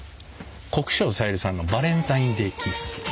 国生さゆりさんの「バレンタインデイ・キッス」。